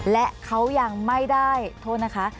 และเขายังไม่ได้โทษนะคะ